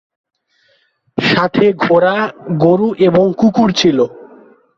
সাথে ঘোড়া, গরু এবং কুকুর ছিলো।